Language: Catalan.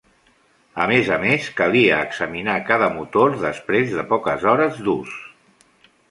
A més a més, calia examinar cada motor després de poques hores d'ús.